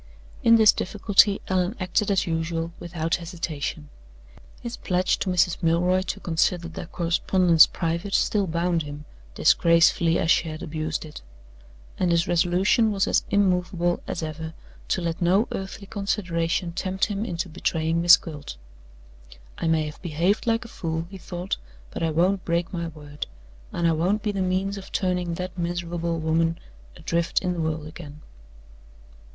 In this difficulty Allan acted as usual, without hesitation. His pledge to Mrs. Milroy to consider their correspondence private still bound him, disgracefully as she had abused it. And his resolution was as immovable as ever to let no earthly consideration tempt him into betraying Miss Gwilt. "I may have behaved like a fool," he thought, "but I won't break my word; and I won't be the means of turning that miserable woman adrift in the world again."